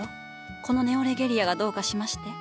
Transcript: このネオレゲリアがどうかしまして？